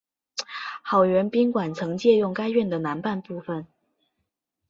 好园宾馆曾借用该院的南半部分。